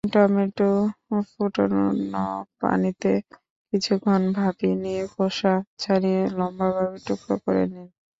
Tomato ফুটানো পানিতে কিছুক্ষণ ভাপিয়ে নিয়ে খোসা ছাড়িয়ে লম্বাভাবে টুকরো করে নিন।